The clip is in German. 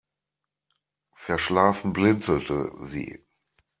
Verschlafen blinzelte sie.